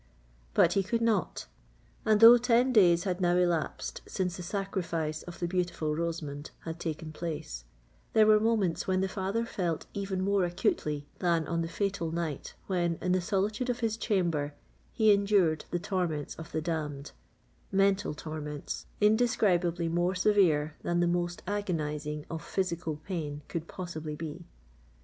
But he could not;—and though ten days had now elapsed since the sacrifice of the beautiful Rosamond had taken place, there were moments when the father felt even more acutely than on the fatal night when, in the solitude of his chamber, he endured the torments of the damned,—mental torments, indescribably more severe than the most agonising of physical pain could possibly be!